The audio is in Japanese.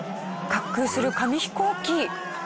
滑空する紙飛行機。